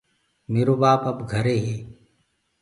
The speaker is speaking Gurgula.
ميرو ٻآپو اب گھري هي۔